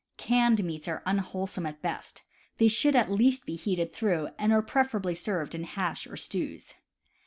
Canned meats are unwholesome at best; they should at least be heated through, and are pref erably served in hash or stews.